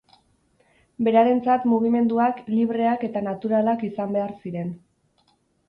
Berarentzat mugimenduak libreak eta naturalak izan behar ziren.